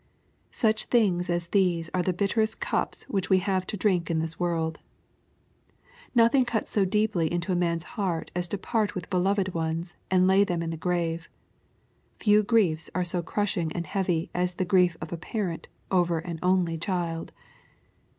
Such tidings as these are the bitterest cups which we have to drink in this world. Nothing cuts so deeply into man's heart as to part with beloved ones, and lay them in the grave. Few griefs are so crushing and heavy as the grief of a parent over an only child.